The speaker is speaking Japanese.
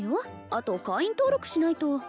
あと会員登録しないと